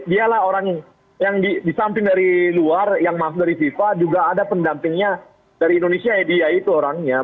dialah orang yang di samping dari luar yang maaf dari fifa juga ada pendampingnya dari indonesia ya dia itu orangnya